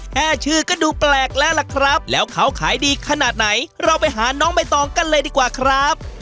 แค่ชื่อก็ดูแปลกแล้วล่ะครับแล้วเขาขายดีขนาดไหนเราไปหาน้องใบตองกันเลยดีกว่าครับ